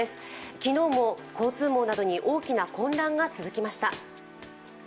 昨日も、交通網などに大きな混乱が続きました。